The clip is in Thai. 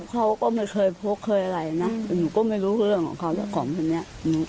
เขาก็ไม่เคยพกเคยอะไรนะหนูก็ไม่รู้เรื่องของเขาแล้วของคนนี้